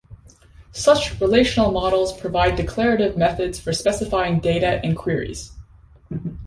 Such relational models provide declarative methods for specifying data and queries.